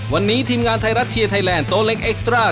วันนี้ทีมงานไทยรัฐเชียร์ไทยแลนด์โตเล็กเอ็กซ์ตรา